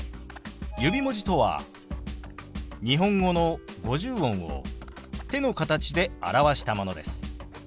指文字とは日本語の五十音を手の形で表したものです。